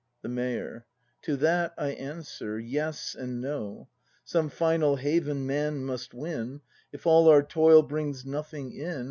The Mayor. To that I answer: Yes and No. Some final haven man must win; — If all our toil brings nothing in.